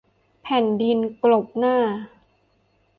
แผ่นดินกลบหน้า